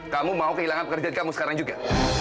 kamu mau kehilangan pekerjaan kamu sekarang juga